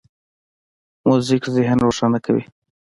موزیک ذهن روښانه کوي.